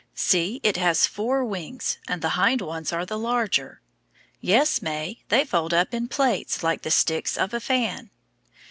See, it has four wings, and the hind ones are the larger. Yes, May, they fold up in plaits, like the sticks of a fan.